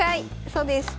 そうです！